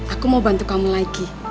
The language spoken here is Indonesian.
aku mau bantu kamu lagi